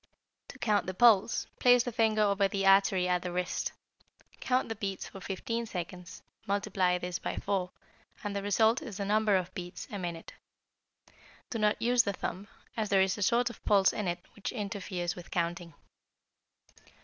To count the pulse, place the finger over the artery at the wrist; count the beats for 15 seconds, multiply this by four, and the result is the number of beats a minute. Do not use the thumb, as there is a sort of pulse in it which interferes with counting.